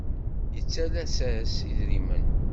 Yettalas-as idrimen.